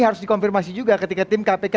harus dikonfirmasi juga ketika tim kpk